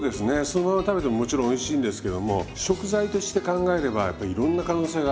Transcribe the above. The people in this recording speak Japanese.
そのまま食べてももちろんおいしいんですけども食材として考えればやっぱりいろんな可能性があるんで。